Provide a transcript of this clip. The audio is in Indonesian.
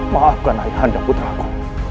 maafkan ayah anda putraku